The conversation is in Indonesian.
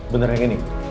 bener yang ini